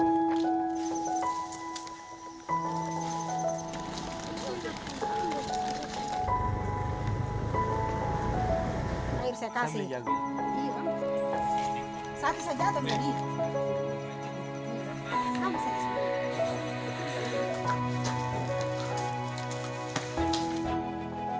saya akan memberikan air